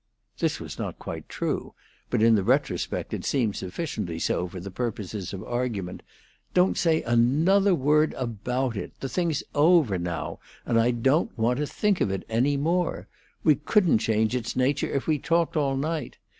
This was not quite true, but in the retrospect it seemed sufficiently so for the purposes of argument. "Don't say another word about it. The thing's over now, and I don't want to think of it any more. We couldn't change its nature if we talked all night.